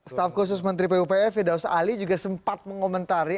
staff khusus menteri pupe fidaus ali juga sempat mengomentari